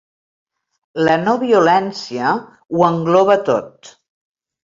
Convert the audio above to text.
La no-violència ho engloba tot.